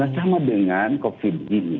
sama dengan covid ini